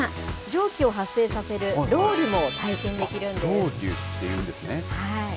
蒸気を発生させるロウリュも体験できるんです。